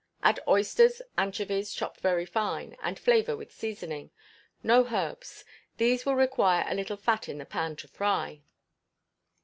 Add oysters, anchovies chopped very fine, and flavour with seasoning. No herbs. These will require a little fat in the pan to fry.